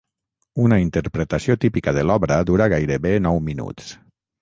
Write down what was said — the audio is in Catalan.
Una interpretació típica de l'obra dura gairebé nou minuts.